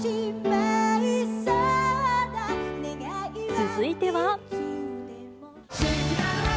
続いては。